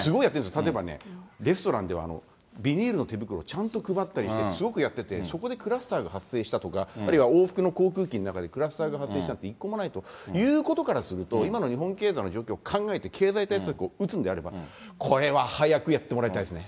例えばね、レストランではビニールの手袋ちゃんと配ったり、すごくやってて、そこでクラスターが発生したとか、あるいは往復の航空機の中でクラスターが発生したとか、一個もないということからすると、今の日本経済の状況、考えて経済対策を打つのであれば、これは早くやってもらいたいですね。